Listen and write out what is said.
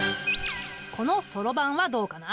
このそろばんはどうかな？